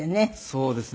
そうですね。